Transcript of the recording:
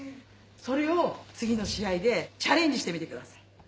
それを次の試合でチャレンジしてみてください。